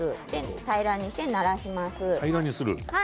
平らにならします。